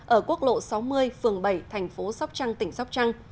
ở quốc lộ sáu mươi phường bảy thành phố sóc trăng tỉnh sóc trăng